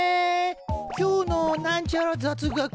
「今日のなんちゃら雑学」。